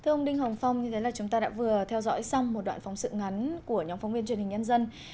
thưa ông đinh hồng phong như thế là chúng ta đã vừa theo dõi xong một đoạn phóng sự ngắn của nhóm phóng viên truyền hình nhân dân